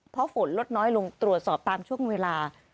เพราะฝนลดน้อยลงตรวจสอบตามช่วงเวลา